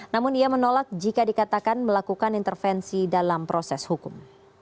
namun ia menolak jika dikatakan melakukan intervensi dalam proses hukum